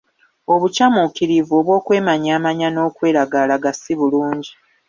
Obukyamuukirivu obw'okwemanyamanya n'okweragalaga si bulungi